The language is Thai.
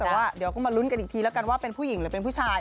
แต่ว่าเดี๋ยวก็มาลุ้นกันอีกทีแล้วกันว่าเป็นผู้หญิงหรือเป็นผู้ชาย